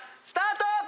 スタート！